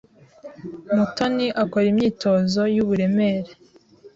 Mutoni akora imyitozo yuburemere.